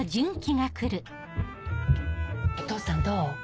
お父さんどう？